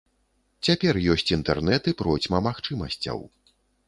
Цяпер ёсць інтэрнэт і процьма магчымасцяў.